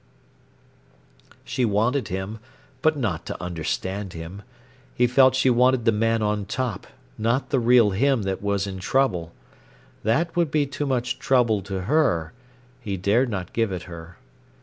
She wanted him, but not to understand him. He felt she wanted the man on top, not the real him that was in trouble. That would be too much trouble to her; he dared not give it her.